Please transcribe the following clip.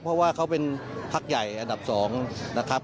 เพราะว่าเขาเป็นพักใหญ่อันดับ๒นะครับ